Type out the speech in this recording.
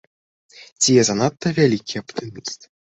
Ці я занадта вялікі аптыміст?